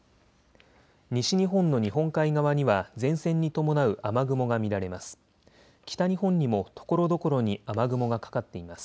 西日本の日本海側には前線に伴う雨雲が見られます。